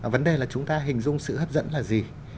vấn đề là chúng ta hình dung sự hấp dẫn là gì